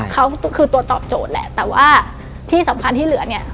เขาก็คือตัวตอบโจทย์แหละแต่ว่าที่สำคัญที่เหลือเนี่ย